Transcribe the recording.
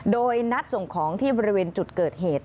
โดยนัดส่งของที่บริเวณจุดเกิดเหตุ